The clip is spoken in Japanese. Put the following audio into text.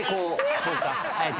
そうか。